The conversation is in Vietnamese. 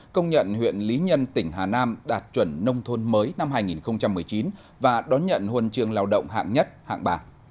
công nhận huyện lý nhân tỉnh hà nam đạt chuẩn nông thôn mới năm hai nghìn một mươi chín và đón nhận huân trường lao động hạng nhất hạng ba